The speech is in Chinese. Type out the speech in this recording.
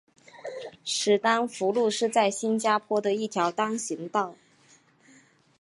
史丹福路是在新加坡的一条单行道。